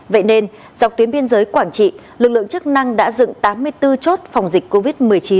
vậy nên dọc tuyến biên giới quảng trị lực lượng chức năng đã dựng tám mươi bốn chốt phòng dịch covid một mươi chín